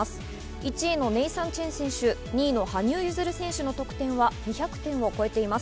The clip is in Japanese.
１位のネイサン・チェン選手、２位の羽生結弦選手の得点は２００点を超えています。